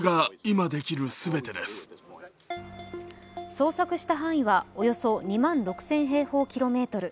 捜索した範囲はおよそ２万６０００平方キロメートル。